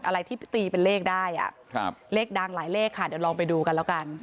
อะไรที่ตีเป็นเลขได้อ่ะครับเลขดังหลายเลขค่ะเดี๋ยวลองไปดูกันแล้วกัน